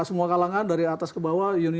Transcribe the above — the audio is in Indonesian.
semua kalangan dari atas ke bawah